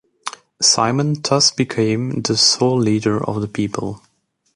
Simon thus became the sole leader of the people.